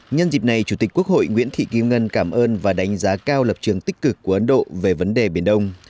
nhân dịp này chủ tịch quốc hội nguyễn thị kim ngân cảm ơn và đánh giá cao lập trường tích cực của ấn độ về vấn đề biển đông